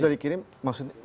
oh sudah sudah dikirim